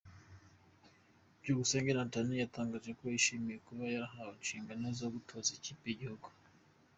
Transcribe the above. Byukusenge Nathan yatangaje ko yishimiye kuba yahawe inshingano zo gutoza mu ikipe y’igihugu.